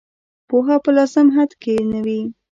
پوهه په لازم حد کې نه وي.